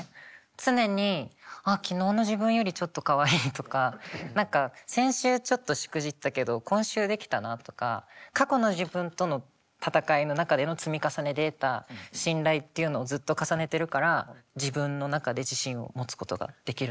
常に「ああ昨日の自分よりちょっとかわいい」とか何か「先週ちょっとしくじったけど今週できたな」とか過去の自分との闘いの中での積み重ねで得た信頼っていうのをずっと重ねてるから自分の中で自信を持つことができるのね。